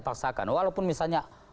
paksakan walaupun misalnya